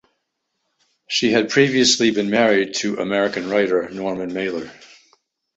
She had previously been married to American writer Norman Mailer.